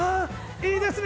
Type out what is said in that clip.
いいですね！